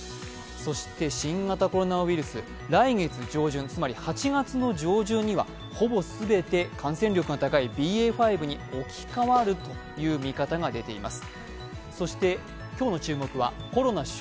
そして新型コロナウイルス、来月上旬、つまり８月の上旬にはほぼ全て、感染力の高いＢＡ．５に置き換わるという見方が出ています。